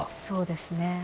そうですね。